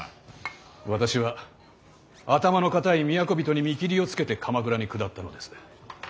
私は頭の固い都人に見切りをつけて鎌倉に下ったのです。